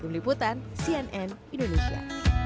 kebeliputan cnn indonesia